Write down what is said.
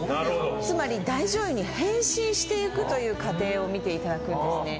つまり大女優に変身していくという過程を見ていただくんですね。